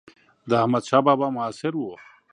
د احمدشاه بابا معاصر و.